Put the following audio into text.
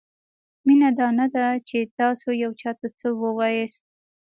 مینه دا نه ده؛ چې تاسو یو چاته څه وایاست؛